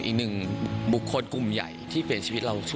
อีกหนึ่งบุคคลกลุ่มใหญ่ที่เปลี่ยนชีวิตเรา